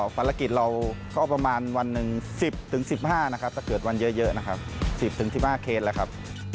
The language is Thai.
ภารกิจเราก็ประมาณวันหนึ่ง๑๐๑๕นะครับถ้าเกิดวันเยอะนะครับ๑๐๑๕เคสแล้วครับ